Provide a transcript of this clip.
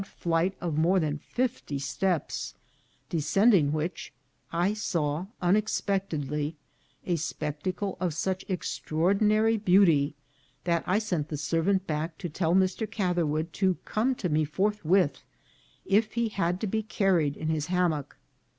409 flight of more than fifty steps ; descending which, I saw unexpectedly a spectacle of such extraordinary beauty, that I sent the servant back to tell Mr. Catherwood to come to me forthwith, if he had to be carried in his hammock.